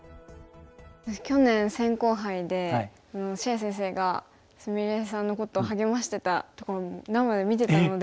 私去年扇興杯で謝先生が菫さんのことを励ましてたところも生で見てたので。